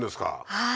はい。